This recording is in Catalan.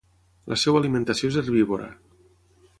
La seva alimentació és herbívora.